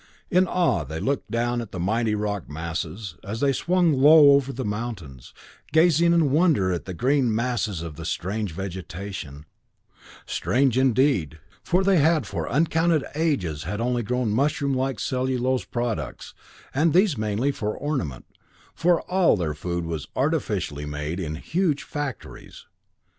In awe they looked down at the mighty rock masses, as they swung low over the mountains, gazing in wonder at the green masses of the strange vegetation; strange, indeed, for they for uncounted ages had grown only mushroom like cellulose products, and these mainly for ornament, for all their food was artificially made in huge factories.